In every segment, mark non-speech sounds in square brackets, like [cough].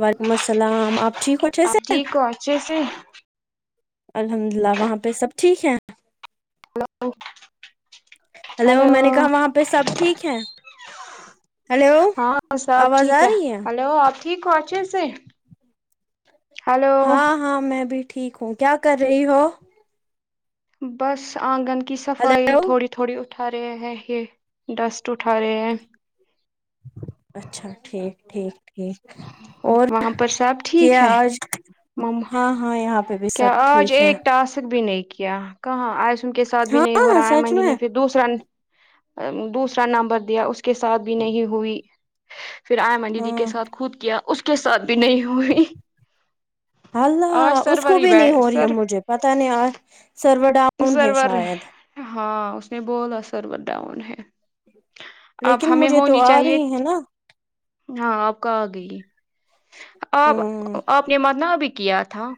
وعلیکم السلام آپ ٹھیک ہو اور اچھے سے تو اچھے سے الحمد للہ وہاں پہ سب ٹھیک ہے ہلو ہلو میں نے کہا وہاں پہ سب ٹھیک ہے ہلو ہاں سب آواز ٹھیک آ ہے رہی ہلو آپ ٹھیک ہو اچھےسے ہلو ہاں ہاں میں بھی ٹھیک ہوں کیا کر رہی ہو بس آنگن کی صفائی ہلو تھوڑی تھوڑی اٹھا رہے ہے یہ ڈسٹ اٹھا رہے ہے اچھا ٹھیک ٹھیک ٹھیک اور وہاں پر سب ٹھیک کیا ہے آج ما ما ہاں ہاں یہاں پہ بھی کیا سب آج ٹھیک ہے ایک ٹاسک بھی نہیں کیا کہاں آج انکے ساتھ بھی نہیں ہو ہاں رہا آئے سچ منڈی نے میں پھر دوسرا دوسرا نمبر دیا اس کے ساتھ بھی نہیں ہوئی پھر ائمہ دیدی کے ہاں ساتھ خود کیا اس کے ساتھ بھی نہیں ہوئی ہلہ آج اس سرور کو ہی بھی نہیں بیٹھ ہو رہی ہے سر مجھے پتا نہیں اہ سرو ڈا سرور ہاں اس نے بولا سرور ڈاؤن ہے اب لیکن ہمیں مجھے تو ہونی آ چاہیے رہی ہے نا ہاں آپ کا آ گئی آپ ہوں آپ نے منا بھی کیا تھا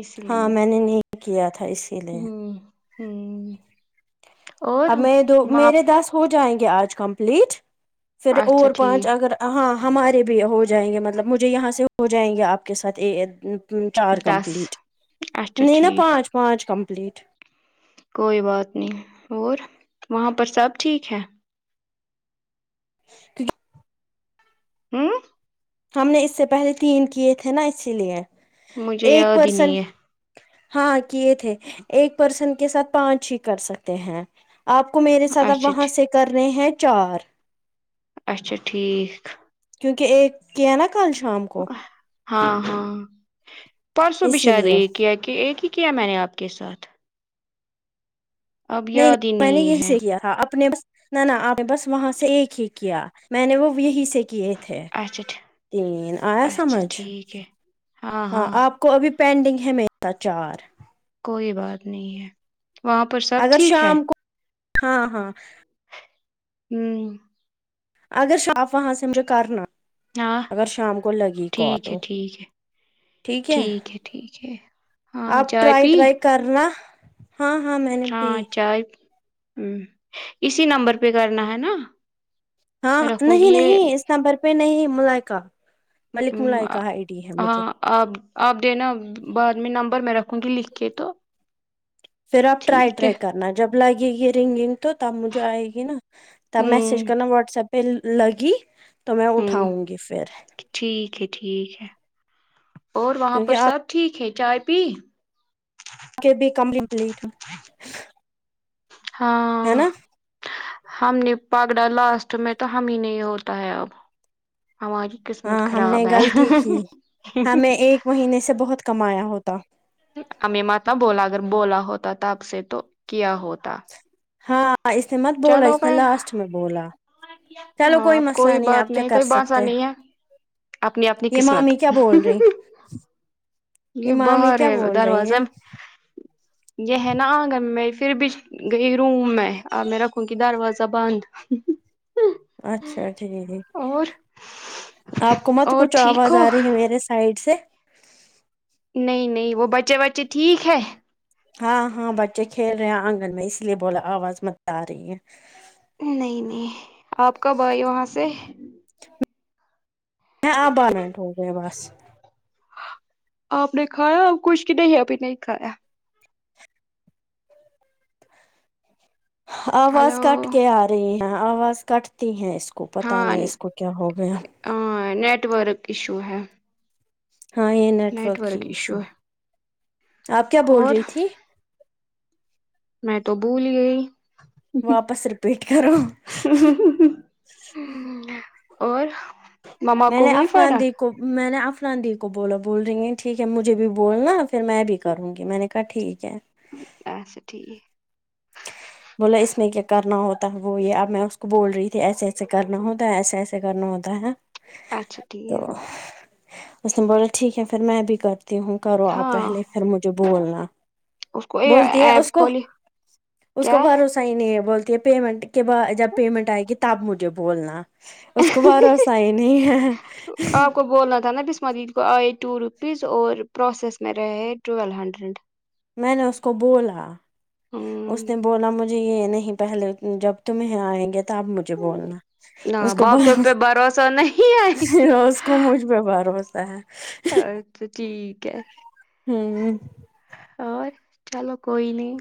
اسی لیے ہاں میں نے نہیں کیا تھا اس ہوں ہوں اور اب میں دو وہاں میرے دس ہو جائیں گے آج کمپلیٹ پھر اچھا اور پانچ ٹھیک اگر ہاں ہمارے بھی ہو جائیں گے مطلب مجھے یہاں سے ہو جائیں گے آپ کے ساتھ چار دس کمپلیٹ اچھا نہیں ن ٹھیک پانچ پانچ کمپلیٹ کوئی بات نہیں ہے اور وہاں پر سب ٹھیک ہے ت ہوں ہم نے اس سے پہلے تین کیے تھے نا اسی لیے مجھے ایک یاد ہی پرسن نہیں ہے ہاں کیے تھے ایک پرسن کے ساتھ پانچ ہی کر سکتے ہیں آپ کو میرے ساتھ آپ اچھا وہاں سے کر رہے ہیں چار اچھا ٹھیک کیونکہ ایک کیا نا کل شام کو ہاں ہاں پرسوں بھی اسی شاید لیے ایک ہے کہ ایک ہی کیا میں نے آپ کے ساتھ اب نہیں یاد نہیں ہی میں نے یہیں ہے سے کیا تھا اپنے بس نہ نہ آپ نے بس وہاں سے ایک ہی کیا میں نے وہ یہی سے کیے تھے تھے اچھا ٹھ تین آیا اچھا سمجھ ٹھیک ہے ہاں آپ کوابی پینڈنگ ہے میرا چار کوئی بات نہیں ہے وہاں پر سب اگر ٹھیک ہے شام کو ہاں ہاں ہوں اگر شام وہاں سے مجھے کرنا ہاں اگر شام کو لگی کول ٹھیک ہے تو ٹھیک ہے ٹھیک ہے ہاں اپ چائے ٹرائی پی ٹرائی کرنا ہاں ہاں میں نے ہاں بھی اچھا اسی نمبر پہ کرنا ہے نا ہاں میں رکھوں گی نہیں یہ نہیں نمبر پہ نہیں ملائکہ ملک ہوں، آ- ملائکا آئی ڈی ہے مجھے ہاں آپ آپ دینا بعد میں نمبر میں رکھوں گی لکھ کے تو پھر آپ ٹائی ٹھیک ہے ٹرائی کرنا جب لگے گی رنگنگ تو تب مجھے آئے گی نا تب ہوں میسج کرنا واٹس ایپ پہ لگی تو میں ہوں اٹھاؤں گی پھر ٹھیک ہے ٹھیک ہے اور وہاں کیونکہ پر سب آپ ٹھیک ہے چائے پی کے بھی کم کمپلیٹ ہے ہاں نا ہم نے پگڑا لاسٹ میں تو ہم ہی نہیں ہوتا ہے اب ہماری قسمت ہاں ہم نے خراب ہے غلطی کی ہمیں ایک مہینے سے بہت کمایا ہوتا ایں ماتا بولا اگر بولا ہوتا تب سے تو کیا ہوتا ہاں اس نے مت بولا چلو اس نے بھائی لاسٹ میں بولا چلو ہاں کوئی اب مسئلہ نہیں بات آپ کیا کر کوئی باسا سکتے ہیں نہیں ہے اپنی اپنی یہ قسمت مامی کیا بول رہی یہ مامی باہر کیا ہے بول رہی دروازہ ہے میں یہ ہے نا آ گا میں پھر بھی گئی روم میں میں رکھوں گی دروازہ بند اچھا ٹھیک ہے اور آپ کو مت اور کچھ ٹھیک آواز ہو آ رہی ہے میرے سائڈ سے نہیں نہیں وہ بچے بچے ٹھیک ہے ہاں ہاں بچے کھیل رہے ہیں آنگن میں اس لیے بولا آواز مت آ رہی ہے نہیں نہیں آپ کب آئی وہاں سے آپ بار منٹ ہو گئے بس آپ نے کھایا اور کچھ کی نہیں ابھی نہیں کھایا آواز کٹ ہلو کے آ رہی ہے آواز کٹتی ہیں اس کو پتہ نہیں اس کو کیا ہو گیا نیٹورک ایشو ہے ہاں یہ نیٹ نیٹورک ہی ورک ایشو ہے آپ کیا ہے بول اور رہی تھی میں تو بھول گئی واپس رپیٹ کرو اور مما میں کو نے ہوئی افلان دی فرق کو میں نے افنا دی کو بولا بول رہی ہیں ٹھیک ہے مجھے بھی بولنا پھر میں بھی کروں گی میں نے کہا ٹھیک ہے اچھا ٹھیک ہے بولا اس میں کیا کرنا ہوتا ہے وہ یہ اب میں اس کو بول رہی تھی ایسے ایسے کرنا ہوتا ہے ایسے ایسے کرنا ہوتا ہے اچھا ٹھیک ہے تو اس نے بولا ٹھیک ہے پھر میں بھی کرتی ہوں کرو آپ ہاں پہلے پھر مجھے بولنا اس کو یہ بولتی ہے اس ایپ کو کھولی اس کو کیا بھروسہ ہی نہیں ہے بولتی ہے پیمنٹ کے بعد جب پیمنٹ آئے گی تب مجھے بولنا اس کو بھروسہ ہی نہیں ہے آپ کو بولنا تھا نا آشنا دی کو آئے ٹو روپیز اور پروسیس میں رہے ٹویلو ہنڈریڈ میں نے اس کو بولا اس ہمم نے بولا مجھے جی یہ نہیں پہلے جب تمہیں آئیں گے تب مجھے بولنا نہ اس کو باقیوں بہرو پہ بھروسہ نہیں ہے بہروس کو مجھ پہ بھروسہ ہے اچھا ٹھیک ہے ہوں اور چلو کوئی نہیں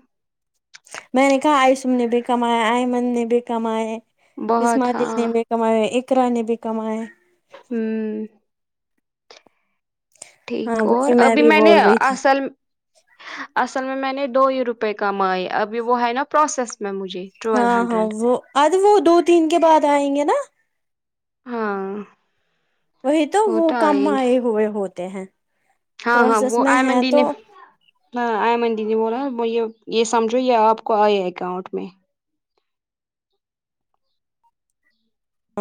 میں نے کہا آیسم نے بھی کمایا آئمن نے بھی کمایا ہے اسما بہت دیدی ہاں نے کمایا اقرا نے بھی کمایا ہے ہوں ٹھیک ہاں اور وہی ابھی بھی میں نے بول رہی تھی اصل اصل میں میں نے دو ہی روپے کمائے ابھی وہ ہے نا پروسیس میں مجھے ٹویلو ہاں ہاں ہنڈریڈ وہ اج وہ دو تین کے بعد آئیں گے نا ہاں وہی تو وہ کم آئے ہوئے ہوتے ہیں ہاں ہاں پروسیس وہ میں ایمن ہے دی تو نے ہاں ایمن دی نے بولا یہ یہ سمجھو یہ آپ کو آئے اکاؤنٹ میں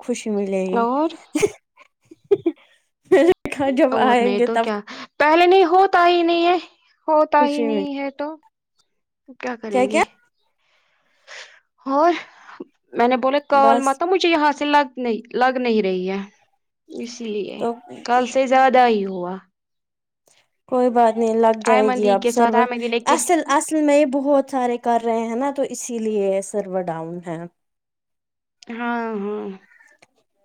خوشی ملے گی اور میرے جب اور آئیں نہیں گے تو تب کیا پہلے نہیں ہوتا ہی نہیں ہے ہوتا ہی خوشی مل نہیں ہے تو تو کیا کریں گے اور میں نے بولا کال بس مت مجھے یہاں سے لگ نہیں لگ نہیں رہی ہے اسی لیے تو کل سے زیادہ ہی ہوا کوئی بات نہیں لگ جائے گی آئمندی اب کے ساتھ سرور آئمندی نے کس اصل اصل میں یہ بہت سارے کر رہے ہیں نا تو اسی لیے سرور ڈاؤن ہے ہاں ہاں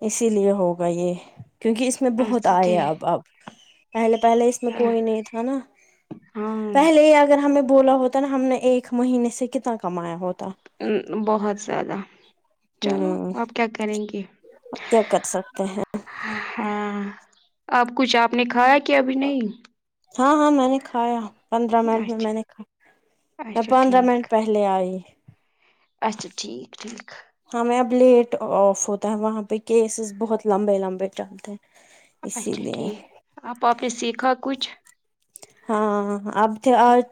اسی لیے ہوگا یہ کیونکہ اس میں بہت اچھا آیا ٹھیک اب اب پہلے پہلے اس میں کوئی نہیں تھا نا ہاں پہلے ہی اگر ہمیں بولا ہو تب ہم نے ایک مہینے سے کتنا کمایا ہوتا بہت زیادہ چلو ہوں آپ کیا کریں گے کیا کر سکتے ہیں ہاں اب کچھ آپ نے کھایا کہ ابھی نہیں ہاں ہاں میں نے کھایا پندرہ منٹ میں میں اچھا نے کھا میں اچھا پندرہ ٹھیک منٹ پہلے لے آئی اچھا ٹھیک ٹھیک ہمیں اب لیٹ آف ہوتا ہے وہاں پہ کیسیئس بہت لمبے لمبے چلتے اسی اچھا لیے ٹھیک آپ آپ نے سیکھا کچھ ہاں اب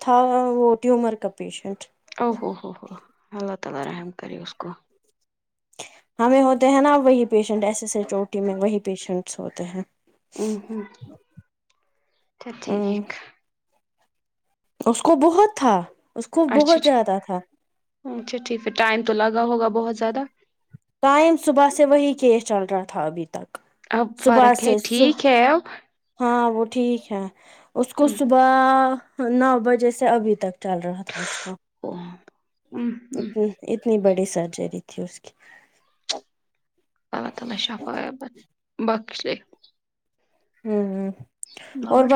تھا وہ ٹیومر کا پیشنٹ او ہو ہو ہو اللہ تعالی رحم کرے اس کو ہمیں ہوتے ہیں نا وہی پیشن ایسے سےے چوٹی میں وہی پیشنٹس ہوتے ہیں ہوں ہو اچھا ہ ٹھیک اس کو بہت تھا اس کو بہت اچھا زیادہ تھا اچھا ٹھیک ہے ٹائم تو لگا ہوگا بہت زیادہ ٹائم صبح سے وہی کیس چل رہا تھا ابھی تک اب صبح فرق ہے سے سو ٹھیک ہے ہاں وہ ٹھیک ہے اس کو صبح نو بجے سے ابھی تک چل رہا تھا اس کا او، ام، ام، ا اتنی بڑی سرجری تھی اس کی اللہ تعالی شفاعت بخشے ھمم اور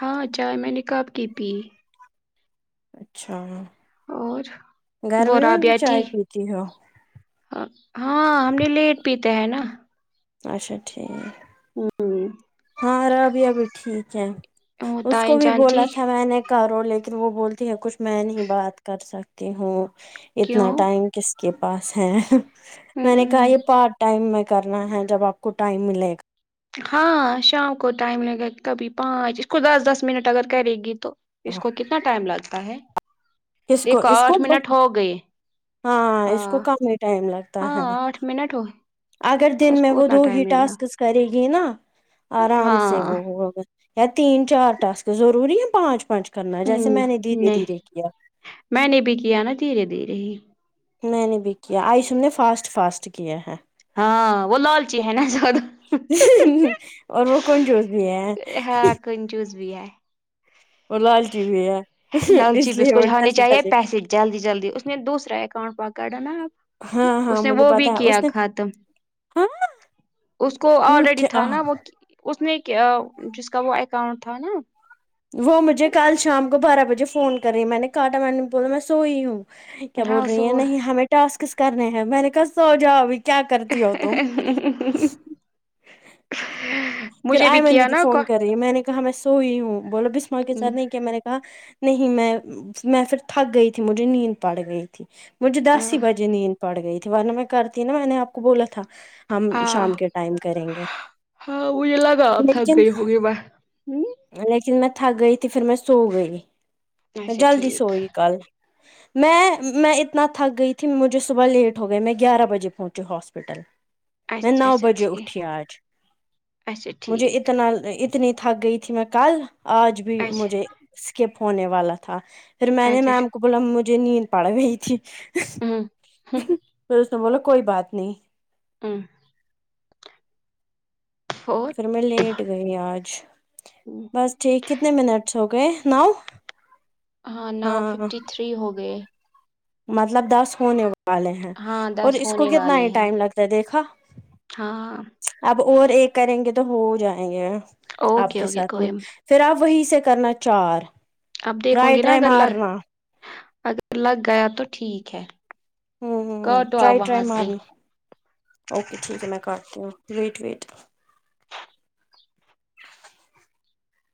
ہاں چائے میں نے کب کی پی اچھا اور وہ گرمی میں بھی رابعہ تھی چائے پیتی ہو ہاں ہم نے لیٹ پیتے ہیں نا اچھا ٹھیک ہوں ہمم ہاں ربیعہ ابھی ٹھیک ہے وہ اس کو تائیں بھی جان بولا ٹھیک تھا میں نے کرو لیکن وہ بولتی ہے کچھ میں نہیں بات کر سکتی ہوں کیوں اتنا ٹائم کس کے پاس ہے میں نے کہا ہوں یہ پارٹ ٹائم میں کرنا ہے جب آپ کو ٹائم ملے گا ہاں شام کو ٹائم لگے کبھی پانچ اس کو دس دس منٹ اگر کرے گی تو اس گا کو کتنا ٹائم لگتا ہے کس کو دیکھو اس کو آٹھ منٹ ہو گئے اس کو ہاں کم ہی ٹائم لگتا ہاں ہے آٹھ منٹ ہوئے اگر دن میں وہ دو ہی ٹسکس کرے گی نا آرام سے ہاں وہ ہوگا یا تین چار ٹسک ضروری ہے پانچ پانچ کرنا جیسے ہوں میں نے دھیرے نہیں دھیرے کیا میں نے بھی کیا نا دھیرے دھیرے ہی میں نے بھی کیا ایشو نے فاسٹ فاسٹ کیا ہے ہاں وہ لالچی ہے نا زیادہ اور وہ کنجوس بھی ہے ہاں کنجوس بھی ہے اور لالچی بھی ہے لالچی اس لیے وہ [unintelligible] جلدی چاہیے جلدی پیسے جلدی جلدی اس میں نے دوسرا اکاؤنٹ پکڑا نہ ہاں اب ہاں اس نے مجھے وہ بھی پتا ہے کیا اس نے ختم ہاں اس کو وہ آلریڈی کیا تھا نا وہ اس نے کیاجس کا وہ اکاؤنٹ تھا نا وہ مجھے کل شام کو بارہ بجے فون کر رہی میں نے کاٹا میں نے بولا میں سوئی ہوں کیا ہاں بول اس رہی ہیں وہ نہیں ہمیں ٹاسکس کرنے ہیں میں نے کہا سوجاؤ ابھی کیا کرتی ہو تم مجھے بھی پھرایمن کیا دیدی نا کو فون کر رہی میں نےکہا میں سوئی ہوں بولو بسماں کے ساتھ نہیں کیا میں نے کہا نہیں میں میں پھر تھک گئی تھی مجھے نیند پڑ گئی تھی مجھے دس ہی ہاں بجے نیند پڑ گئی تھی ورنہ میں کرتی نا میں نے آپ کو بولا تھا ہم شام کے ٹائم کریں گے ہاں وہ یہ لگا تھک لیکن گئی ہوگی لیکن میں تھک گئی تھی پھر میں سو گئی میں اچھا جلدی ٹھیک سوئی کل میں میں اتنا تھک گئی تھی مجھے صبح لیٹ ہو گئی میں گیارہ بجے پہنچی ہاس پپٹل میں اچھا نو اچھا بجے ٹھیک اٹھی آج اچھا مجھے ٹھیک اتنا اتنی تھک گئی تھی میں کل آج بھی اچھا مجھے اسکپ ہونے والا تھا پھر میں نے اچھا میم کو بولا مجھے نیند پڑ گئی تھی ہوں ہوں پھر اس نے بولا کوئی بات نہیں ہاں پھر پھر میں لیٹ گئی آج ھم بس ٹھیک کتنے منٹس ہو گئے ناؤ ہاں ناؤ ففٹی تھری ہو گئے مطلب دس ہونے وا والے ہیں ہاں اور دس اس کو ہونے کتنا والے ہی ہیں ٹائم لگتا ہے دیکھا ہاں اب اور ایک کریں گے تو ہو جائیں گے آپ اوکے کے اوکے ساتھ میں کوئی پھر آپ وہیں سے کرنا چار اب دیکھوں ٹرائی گی نا ٹرائی اگر لگ مارنا اگر لگ گیا تو ٹھیک ہے ھمم کاٹو آپ ٹرائی رائی وہاں سے مارنا اوکے ٹھیک ہے میں کرتی ہوں ویٹ ویٹ